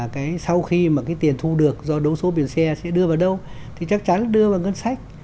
cái sau khi mà cái tiền thu được do đấu số biển xe sẽ đưa vào đâu thì chắc chắn là đưa vào ngân sách